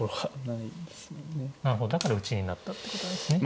なるほどだから打ちになったってことですね。